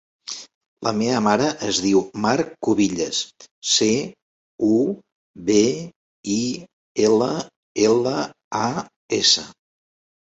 La meva mare es diu Mar Cubillas: ce, u, be, i, ela, ela, a, essa.